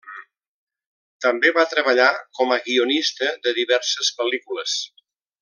També va treballar com a guionista de diverses pel·lícules.